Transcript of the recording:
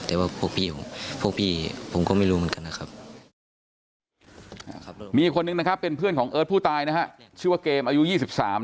แต่ว่าพวกพี่ผมก็ไม่รู้เหมือนกันนะครับ